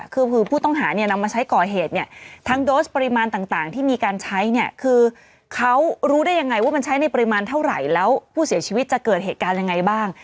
คือคือผู้ต้องหาเนี่ยนำมาใช้ก่อเหตุเนี่ยทั้งโดสปริมาณต่างที่มีการใช้เนี่ยคือเขารู้ได้ยังไงว่ามันใช้ในปริมาณเท่าไหร่แล้วผู้เสียชีวิตจะเกิดเหตุการณ์ยังไงบ้าง